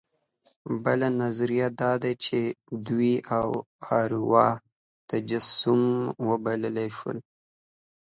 بله نظریه دا ده چې دوی د اروا تجسم وبلل شول.